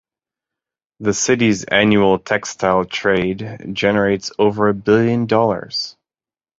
The city's annual textile trade generates over a billion dollars.